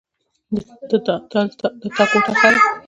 د تا کوټه ښه ده